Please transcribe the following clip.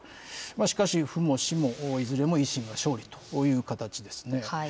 しかし、府も市も、いずれも維新の勝利という形ですね。